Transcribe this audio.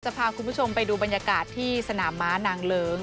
พาคุณผู้ชมไปดูบรรยากาศที่สนามม้านางเลิ้ง